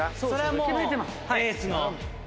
それはもう。